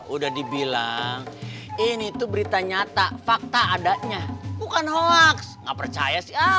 udah dibilang ini tuh berita nyata fakta adanya bukan hoax nggak percaya sih